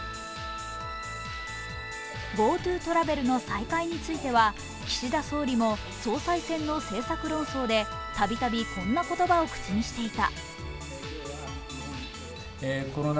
ＧｏＴｏトラベルの再開については岸田総理も総裁選の政策論争でたびたびこんな言葉を口にしていた。